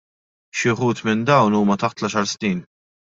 Xi wħud minn dawn huma taħt l-għaxar snin.